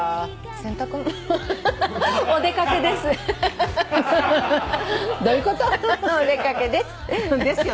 「お出かけ」です。